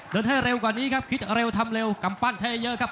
ให้เร็วกว่านี้ครับคิดเร็วทำเร็วกำปั้นใช้ได้เยอะครับ